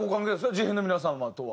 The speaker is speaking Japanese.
事変の皆様とは。